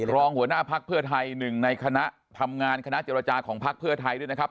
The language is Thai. รองหัวหน้าพักเพื่อไทยหนึ่งในคณะทำงานคณะเจรจาของพักเพื่อไทยด้วยนะครับ